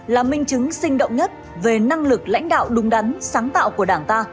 là minh chứng sinh động nhất về năng lực lãnh đạo đúng đắn sáng tạo của đảng ta